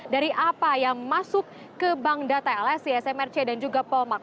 dari apa yang masuk ke bank data lsi smrc dan juga polmark